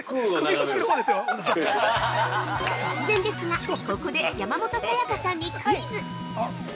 ◆突然ですが、ここで、山本彩さんにクイズ。